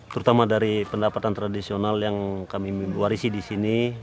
tertama dari pendapatan tradisional yang kami mewarisi disini